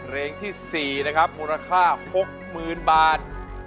เล่นที่๔ค่าห้กหมื่นบาท